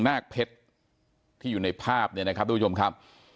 นาคเพชรที่อยู่ในภาพเนี่ยนะครับทุกผู้ชมครับ